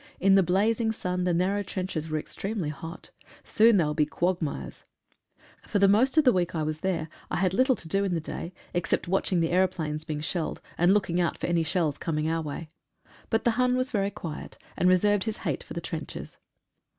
In the blazing sun the narrow trenches were extremely hot — soon they will be quag mires. For the most of the week I was there I had little to do in the day, except watching the aeroplanes being shelled, and looking out for any shells coming our way. 104 A PLEASING ENTENTE. But the Hun was very quiet, and reserved his hate for the trenches.